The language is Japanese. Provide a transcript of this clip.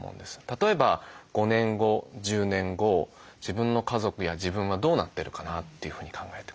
例えば５年後１０年後自分の家族や自分はどうなってるかなというふうに考えて。